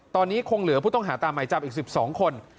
ตอนนี้คงเหลือผู้ต้องหาตามหมายจับอีก๑๒คน